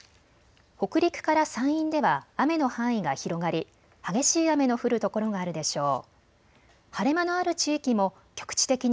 北陸から山陰では雨の範囲が広がり激しい雨の降る所があるでしょう。